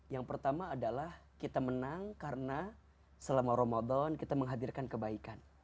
yang pertama adalah kita menang karena selama ramadan kita menghadirkan kebaikan